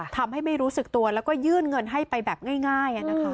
ทำให้ไม่รู้สึกตัวแล้วก็ยื่นเงินให้ไปแบบง่าย